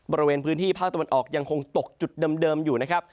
บริเวณพื้นที่ภาคตะวันออกยังคงตกจุดเดิมอยู่นะครับ